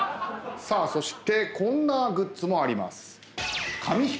そしてこんなグッズもあります。